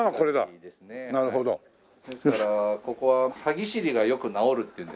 ですからここは歯ぎしりがよく治るっていうんです。